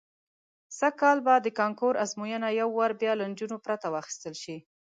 سږ کال به د کانکور ازموینه یو وار بیا له نجونو پرته واخیستل شي.